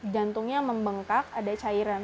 jantungnya membengkak ada cairan